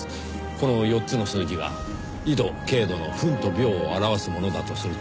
この４つの数字が緯度経度の分と秒を表すものだとすると。